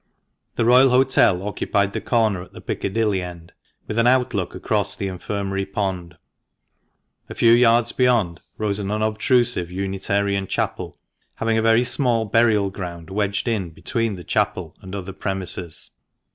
The Royal Hotel occupied the corner at the Piccadilly end, with an outlook across the Infirmary pond. A few yards beyond rose an unobtrusive Unitarian Chapel, having a very small burial ground wedged in between the chapel and other premises.